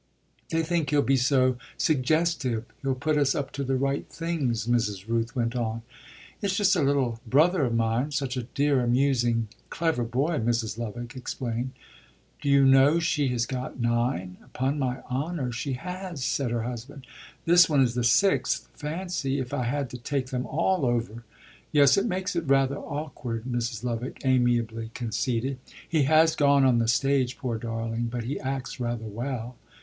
"They think he'll be so suggestive, he'll put us up to the right things," Mrs. Rooth went on. "It's just a little brother of mine such a dear, amusing, clever boy," Mrs. Lovick explained. "Do you know she has got nine? Upon my honour she has!" said her husband. "This one is the sixth. Fancy if I had to take them all over!" "Yes, it makes it rather awkward," Mrs. Lovick amiably conceded. "He has gone on the stage, poor darling but he acts rather well."